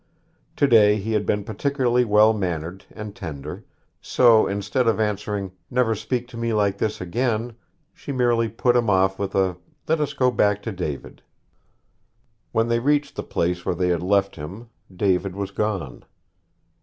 To day he had been particularly well mannered and tender; so, instead of answering, 'Never speak to me like this again,' she merely put him off with a 'Let us go back to David.' When they reached the place where they had left him David was gone.